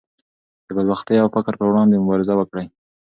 د بدبختۍ او فقر پر وړاندې مبارزه وکړئ.